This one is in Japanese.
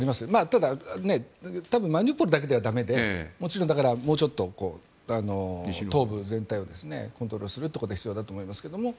ただ、マリウポリだけではだめでもちろん、もうちょっと東部全体をコントロールするということは必要だと思いますけども。